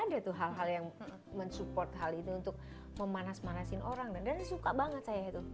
ada tuh hal hal yang mensupport hal itu untuk memanas manasin orang dan suka banget saya itu